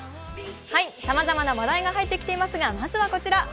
さまざまな話題が入ってきていますがまずはこちら。